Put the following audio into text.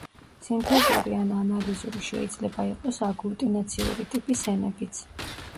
სინთეზური ან ანალიზური შეიძლება იყოს აგლუტინაციური ტიპის ენებიც.